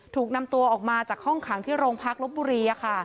ถูกนำตัวออกมาจากห้องขังที่โรงพักลบบุรี